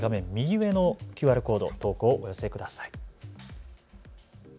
右上のＱＲコードから投稿お寄せください。